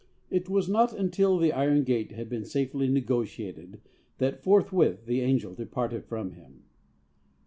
It was not until the iron gate had been safely negotiated that 'forthwith the angel departed from him.'